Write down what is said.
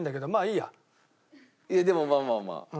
いやでもまあまあまあ。